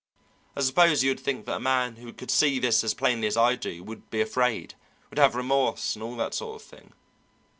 I suppose you would think that a man who could see this as plainly as I do would be afraid, would have remorse and all that sort of thing.